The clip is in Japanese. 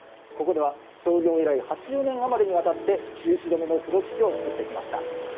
ここでは、創業以来８０年余りにわたって印染の風呂敷を作ってきました。